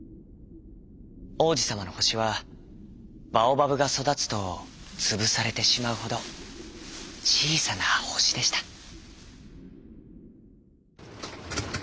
王子さまの星はバオバブがそだつとつぶされてしまうほどちいさな星でした。